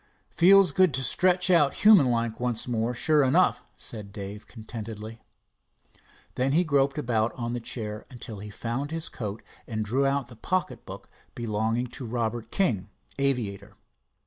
"Feels good to stretch out human like once more, sure enough," said Dave contentedly. Then he groped about on the chair until he found his coat and drew out the pocket book belonging to Robert King, Aviator.